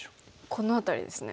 この辺りですね。